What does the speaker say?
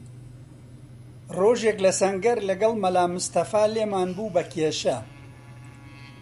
ڕۆژێک لە سەنگەر لەگەڵ مەلا مستەفا لێمان بوو بە کێشە